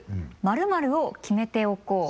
「○○を決めておこう！」。